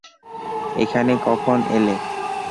এখানে কখন এলে?